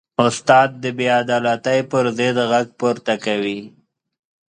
استاد د بېعدالتۍ پر ضد غږ پورته کوي.